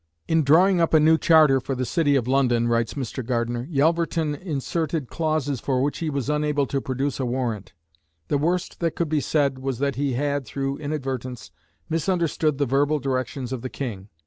"In drawing up a new charter for the city of London," writes Mr. Gardiner, "Yelverton inserted clauses for which he was unable to produce a warrant. The worst that could be said was that he had, through inadvertence, misunderstood the verbal directions of the King.